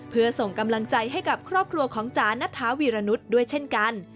เพื่อส่งกำลังใจให้กับครอบครัวของจ๋านัทธาวีรนุษย์ด้วยเช่นกัน